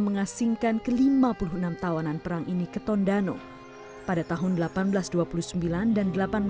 mengasingkan ke lima puluh enam tawanan perang ini ke tondano pada tahun seribu delapan ratus dua puluh sembilan dan seribu delapan ratus sembilan puluh